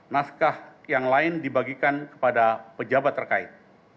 naskah yang lain dibagikan kepada pejabat terkait